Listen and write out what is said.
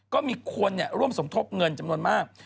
ก็มีคนร่วมสมทบเงินจำนวนมาก